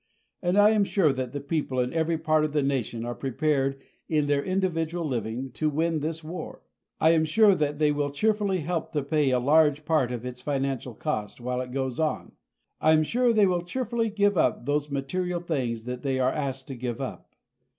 And I am sure that the people in every part of the nation are prepared in their individual living to win this war. I am sure that they will cheerfully help to pay a large part of its financial cost while it goes on. I am sure they will cheerfully give up those material things that they are asked to give up.